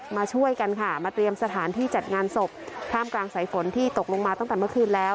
มาช่วยกันค่ะมาเตรียมสถานที่จัดงานศพท่ามกลางสายฝนที่ตกลงมาตั้งแต่เมื่อคืนแล้ว